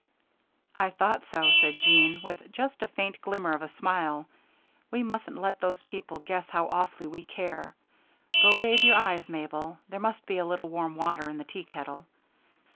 "I thought so," said Jean, with just a faint glimmer of a smile. "We mustn't let those people guess how awfully we care. Go bathe your eyes, Mabel there must be a little warm water in the tea kettle."